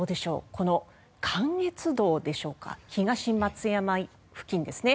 この関越道でしょうか東松山付近ですね